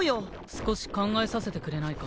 少し考えさせてくれないか？